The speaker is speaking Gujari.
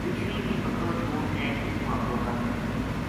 رچھنی نے بکرو چھوڈ کے اس پو حملو کر چھُڑیو